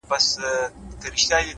پوهه له تجربې ژوره کېږي،